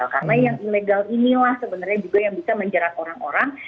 karena yang ilegal inilah sebenarnya juga yang bisa menjerat orang orang